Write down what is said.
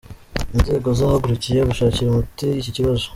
Inzego zahagurukiye gushakira umuti iki kibazo.